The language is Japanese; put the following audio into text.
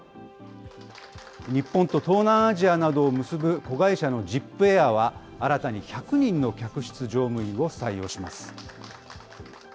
日本と東南アジアなどを結ぶ子会社のジップエアは新たに１００人の客室乗務員を採用します。